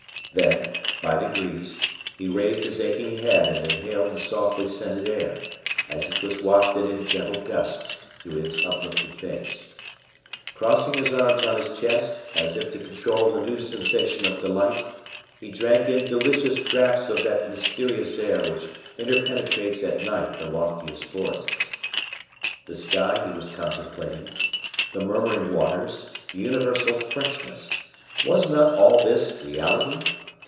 Then, by degrees, he raised his aching head and inhaled the softly scented air, as it was wafted in gentle gusts to his uplifted face. Crossing his arms on his chest, as if to control this new sensation of delight, he drank in delicious draughts of that mysterious air which interpenetrates at night the loftiest forests. The sky he was contemplating, the murmuring waters, the universal freshness was not all this reality?